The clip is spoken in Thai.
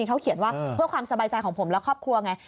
เขาเขียนว่าเพื่อความสบายใจของผมและครอบครัวไง